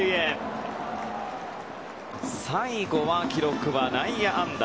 最後は記録は内野安打。